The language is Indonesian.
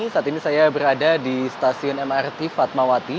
saat ini saya berada di stasiun mrt fatmawati